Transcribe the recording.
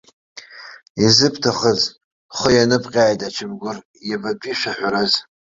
Изыбҭахыз, бхы ианыбҟьааит ачамгәыр, иабатәи шәаҳәараз?